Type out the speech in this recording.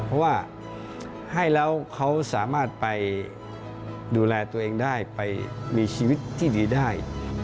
เพราะว่าให้แล้วเขาสามารถไปดูแลตัวเองได้ไปมีชีวิตที่ดีได้